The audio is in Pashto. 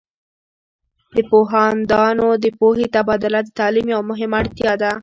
د پوهاندانو د پوهې تبادله د تعلیم یوه مهمه اړتیا ده.